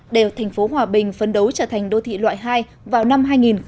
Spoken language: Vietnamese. để thành phố hòa bình phấn đấu trở thành đô thị loại hai vào năm hai nghìn hai mươi